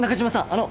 あの。